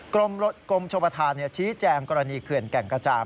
กรมโหลดกรมโชวภาธานเนี่ยชี้แจมกรณีเขื่อนแก่งกระจาน